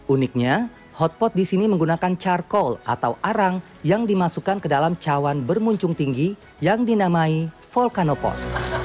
uniknya hotpot di sini menggunakan charcoal atau arang yang dimasukkan ke dalam cawan bermuncung tinggi yang dinamai volcanopot